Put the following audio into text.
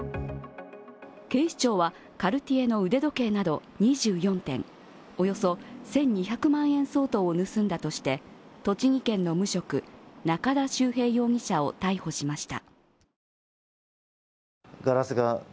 警視庁は、カルティエの腕時計など２４点、およそ１２００万円相当を盗んだとして、栃木県の無職中田秀平容疑者を逮捕しました。